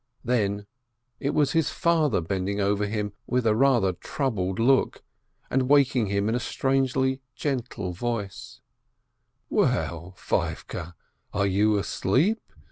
Then — it was his father bending over him with a rather troubled look, and waking him in a strangely gentle voice : "Well, Feivke, are you asleep?